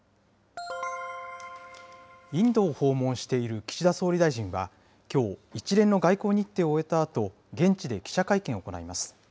インドを訪問している岸田総理大臣は、きょう、一連の外交日程を終えたあと、現地で記者会見を行います。